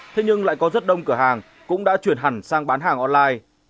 thế nhưng lại có rất đông cửa hàng cũng đã chuyển hẳn sang bán hàng online